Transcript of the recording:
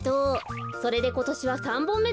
それでことしは３ぼんめだからね。